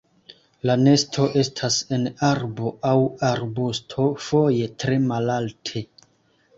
La nesto estas en arbo aŭ arbusto, foje tre malalte.